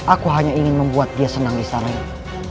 aku hanya ingin membuat dia senang di istana ini